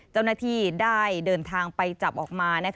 เจ้าหน้าที่ได้เดินทางไปจับออกมา